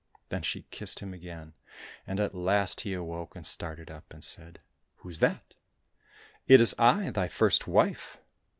Then she kissed him again, and at last he awoke and started up, and said, "" Who's that }"—" It is I, thy first wife."